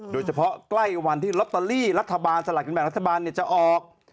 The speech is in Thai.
โดยเฉพาะใกล้วันที่โรตตาลี้สหัสกินแบบรัฐบาลจะออก